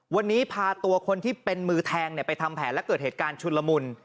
วันนี้พาตัวคนที่เป็นมือแทงไปทำแผนและเกิดเหตุการณ์ชุนละมุน